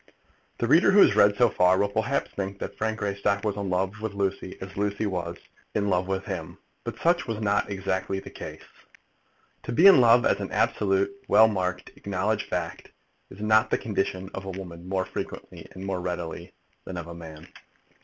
The reader, who has read so far, will perhaps think that Frank Greystock was in love with Lucy as Lucy was in love with him. But such was not exactly the case. To be in love, as an absolute, well marked, acknowledged fact, is the condition of a woman more frequently and more readily than of a man.